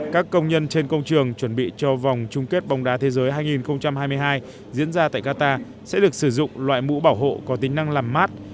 các công nhân trên công trường chuẩn bị cho vòng chung kết bóng đá thế giới hai nghìn hai mươi hai diễn ra tại qatar sẽ được sử dụng loại mũ bảo hộ có tính năng làm mát